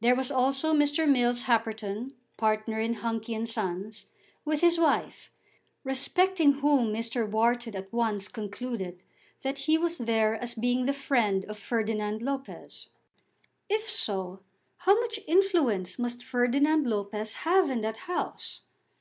There was also Mr. Mills Happerton, partner in Hunky and Sons, with his wife, respecting whom Mr. Wharton at once concluded that he was there as being the friend of Ferdinand Lopez. If so, how much influence must Ferdinand Lopez have in that house!